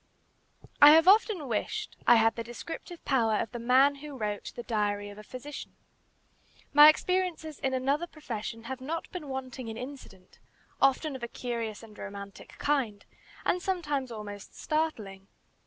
I have often wished I had the descriptive power of the man who wrote "The Diary of a Physician." My experiences in another profession have not been wanting in incident, often of a curious and romantic kind, and sometimes almost startling.